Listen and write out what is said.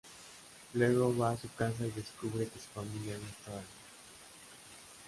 Luego va a su casa, y descubre que su familia no estaba allí.